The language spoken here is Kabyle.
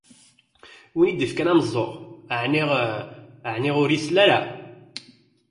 Win i d-ifkan ameẓẓuɣ, ɛni ur isell ara?